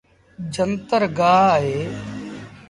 جنتر گآه اهي۔